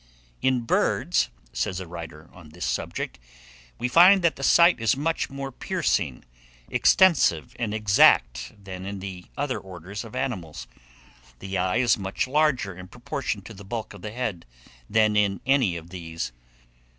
"In birds," says a writer on this subject, "we find that the sight is much more piercing, extensive, and exact, than in the other orders of animals. The eye is much larger in proportion to the bulk of the head, than in any of these.